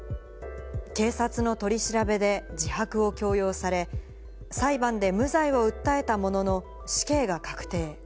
警察の取り調べで自白を強要され、裁判で無罪を訴えたものの、死刑が確定。